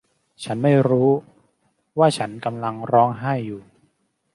ฉันไม่รู้ว่าฉันกำลังร้องไห้อยู่